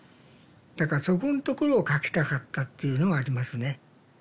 だからそこんところを書きたかったっていうのはありますね。